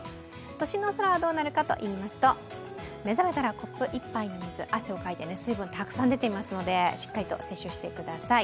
都心の空はどうなるかといいますと、目覚めたらコップ１杯の水、汗をかいて水分がたくさん出ていますので、しっかりと摂取してください。